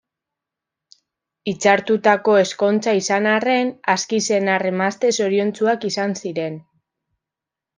Hitzartutako ezkontza izan arren, aski senar-emazte zoriontsuak izan ziren.